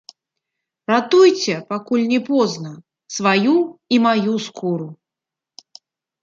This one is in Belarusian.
Ратуйце, пакуль не позна, сваю і маю скуру!